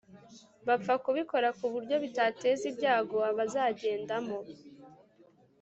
bapfa kubikora kuburyo bitateza ibyago abazigendamo